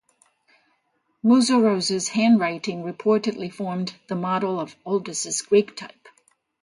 Musuros' handwriting reportedly formed the model of Aldus' Greek type.